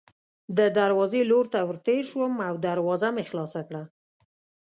د دروازې لور ته ورتېر شوم او دروازه مې خلاصه کړه.